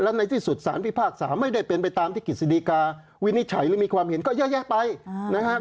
และในที่สุดสารพิพากษาไม่ได้เป็นไปตามที่กฤษฎีกาวินิจฉัยหรือมีความเห็นก็เยอะแยะไปนะครับ